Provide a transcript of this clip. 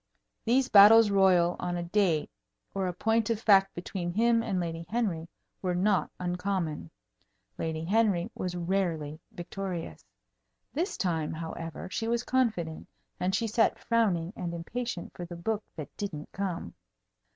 These battles royal on a date or a point of fact between him and Lady Henry were not uncommon. Lady Henry was rarely victorious. This time, however, she was confident, and she sat frowning and impatient for the book that didn't come.